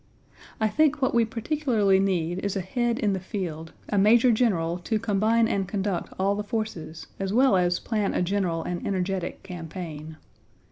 I think what we particularly need is a head in the field a Major General to combine and conduct all the forces as well as plan a general and energetic campaign.